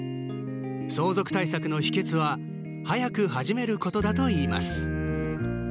相続対策の秘けつは早く始めることだといいます。